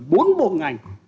bốn bộ ngành